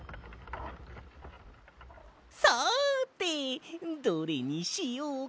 さてどれにしようかな。